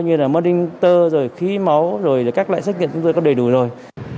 như là monitor rồi khí máu rồi các loại xét nghiệm chúng tôi có đầy đủ rồi